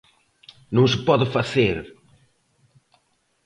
¡Non se pode facer!